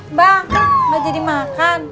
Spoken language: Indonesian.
mbak mau jadi makan